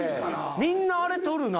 みんなあれ取るな。